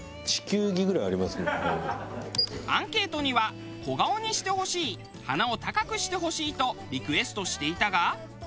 アンケートには「小顔にしてほしい」「鼻を高くしてほしい」とリクエストしていたが。